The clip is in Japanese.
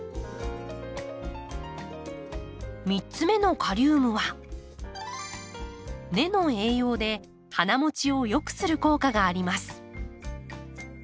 ３つ目のカリウムは根の栄養で花もちを良くする効果があります。